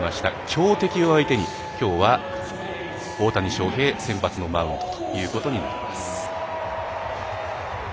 強敵を相手にきょうは、大谷翔平が先発のマウンドということになります。